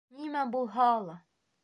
Нимә булһа ла